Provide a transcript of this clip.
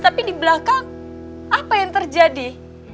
tapi di belakang apa yang terjadi